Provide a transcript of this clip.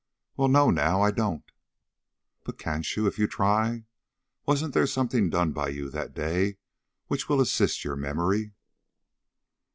"Well, no, now, I don't." "But can't you, if you try? Wasn't there something done by you that day which will assist your memory?"